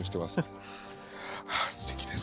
ああすてきです